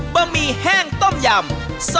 บะหมี่แห้งต้มยำ